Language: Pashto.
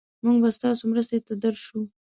مونږ به ستاسو مرستې ته درشو.